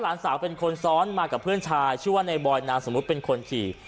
หลานสาวเป็นคนซ้อนมากับเพื่อนชายชื่อว่าในบอยนามสมมุติเป็นคนขี่